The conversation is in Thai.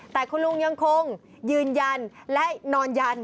แต่คุณลุงยังคงยืนยันและนอนยัน